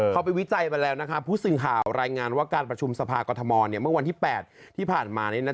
เขาไปวิจัยมาแล้วผู้สื่อข่าวรายงานว่าการประชุมสภากรทมเมื่อวันที่๘ที่ผ่านมา